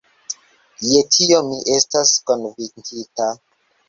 Je tio mi estas konvinkita.